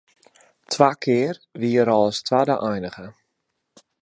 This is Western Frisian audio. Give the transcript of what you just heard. Twa kear wie er al as twadde einige.